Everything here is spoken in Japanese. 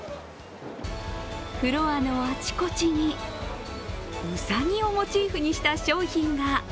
フロアのあちこちに、うさぎをモチーフにした商品が。